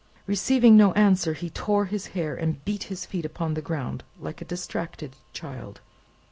Receiving no answer, he tore his hair, and beat his feet upon the ground, like a distracted child.